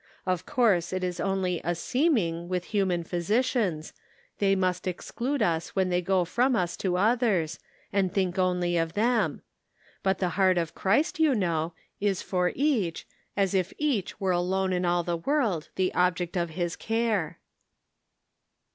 Of course it is only a seeming with human physicians, they must exclude us when they go from us to others, and think only of them; but the heart of Christ, you know, is for each, as if each were alone in all the world the object of His care."